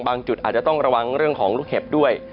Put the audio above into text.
จุดอาจจะต้องระวังเรื่องของลูกเห็บด้วย